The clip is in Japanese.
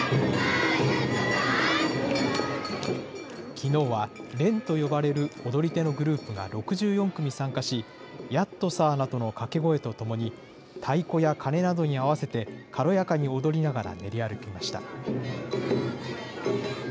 きのうは連と呼ばれる踊り手のグループが６４組参加し、やっとさーなどの掛け声とともに、太鼓やかねなどに合わせて、軽やかに踊りながら練り歩きました。